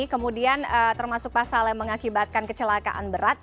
kemudian termasuk pasal yang mengakibatkan kecelakaan berat